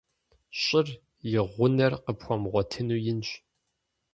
ЩӀыр, и гъунэр къыпхуэмыгъуэтыну, инщ.